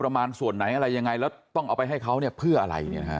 มาส่วนไหนอะไรยังไงแล้วต้องเอาไปให้เขาเนี่ยเพื่ออะไร